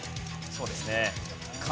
そうですね。